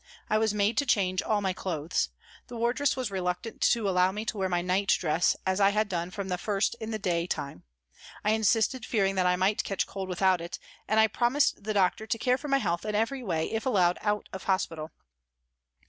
I was made to change all my clothes. The wardress was reluctant to allow me to wear my nightdress, as I had done from the first in the day time. I insisted, fearing that I might catch cold without it, and I promised the doctor to care for my health in every way if allowed out of hospital.